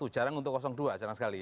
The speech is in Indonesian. jarang untuk dua jarang sekali